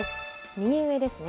右上ですね。